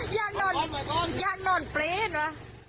ยังยังนอนยังนอนเปรี้ยนว่ะ